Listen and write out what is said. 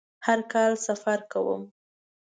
هر کال سفر کوم